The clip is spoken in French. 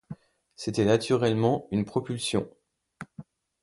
C'était naturellement une propulsion.